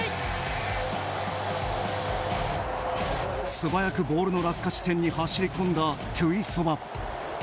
素早くボールの落下地点に走り込んだ、テュイソバ。